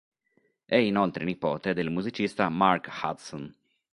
È inoltre nipote del musicista Mark Hudson.